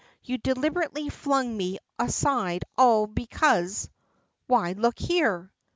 You deliberately flung me aside all because Why, look here!"